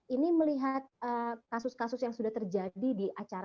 ini melihat kasus kasus yang sudah terjadi di acara